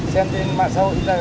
xem trên mạng xã hội instagram